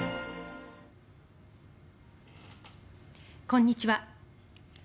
こんにちは。